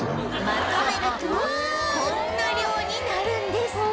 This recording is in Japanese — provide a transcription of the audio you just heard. まとめるとこんな量になるんです！